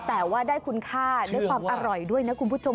แต่ว่าได้คุณค่าได้ความอร่อยด้วยนะคุณผู้ชม